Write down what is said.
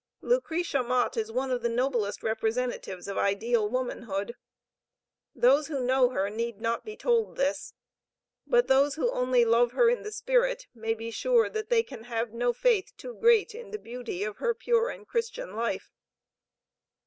Lucretia Mott is one of the noblest representatives of ideal womanhood. Those who know her, need not be told this, but those who only love her in the spirit, may be sure that they can have no faith too great in the beauty of her pure and Christian life.